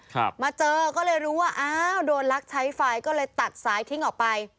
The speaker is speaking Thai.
ครับมาเจอก็เลยรู้ว่าอ้าวโดนลักใช้ไฟก็เลยตัดสายทิ้งออกไป